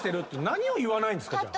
何を言わないんですか？